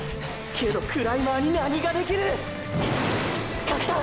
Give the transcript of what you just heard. けどクライマーに何ができる⁉勝った！！